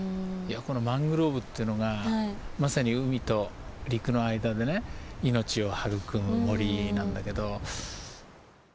いやこのマングローブっていうのがまさに海と陸の間でね命を育む森なんだけど。